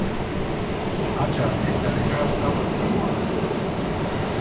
Aceasta este alegerea dumneavoastră, nu a mea.